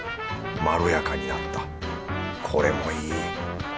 まろやかになったこれもいい。